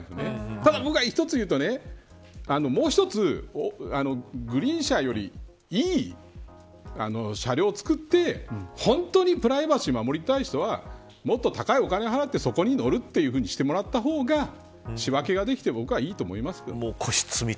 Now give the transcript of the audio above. ただ、僕は一つ言うともう一つ、グリーン車よりいい車両を作って本当にプライバシーを守りたい人はもっと高いお金を払って、そこに乗るというふうにしてもらった方が仕分けができて僕はいいと思いますけどね。